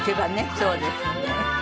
そうですね。